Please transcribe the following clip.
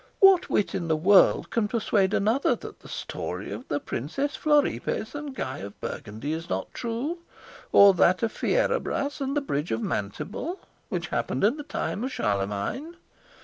What wit in the world can persuade another that the story of the Princess Floripes and Guy of Burgundy is not true, or that of Fierabras and the bridge of Mantible, which happened in the time of Charlemagne?